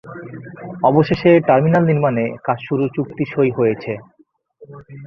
অবশেষে টার্মিনাল নির্মাণে কাজ শুরুর চুক্তি সই হয়েছে।